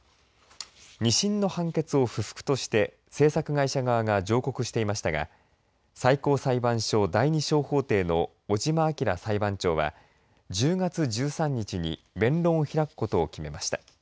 ２審の判決を不服として制作会社側が上告していましたが最高裁判所第２小法廷の尾島明裁判長は１０月１３日に弁論を開くことを決めました。